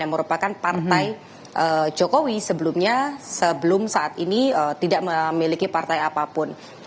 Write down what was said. yang merupakan partai jokowi sebelumnya sebelum saat ini tidak memiliki partai apapun